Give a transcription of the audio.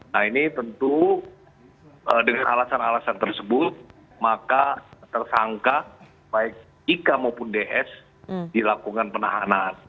nah ini tentu dengan alasan alasan tersebut maka tersangka baik ika maupun ds dilakukan penahanan